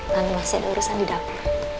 kan masih ada urusan di dapur